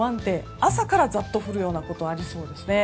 朝からざっと降るようなことがありそうですね。